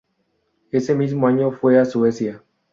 Ese mismo años fue a Suecia.